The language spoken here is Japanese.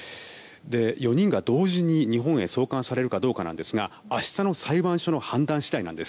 ４人が同時に日本へ送還されるかどうかなんですが明日の裁判所の判断次第なんです。